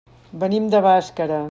Venim de Bàscara.